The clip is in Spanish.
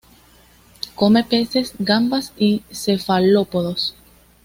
Come peces, gambas y cefalópodos.